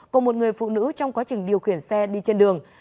của một người phụ nữ trong quá trình điều khiển xe đi trên đường